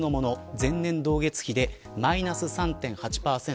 前年同月比でマイナス３．８％